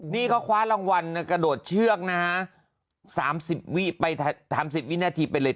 นี่เขาคว้ารางวัลกระโดดเชือกนะฮะ๓๐วิไป๓๐วินาทีไปเลย